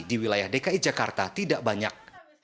di wilayah dki jakarta tidak banyak